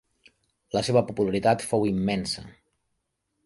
La seva popularitat fou immensa.